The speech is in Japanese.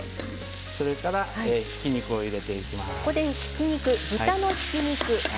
それからひき肉を入れていきます。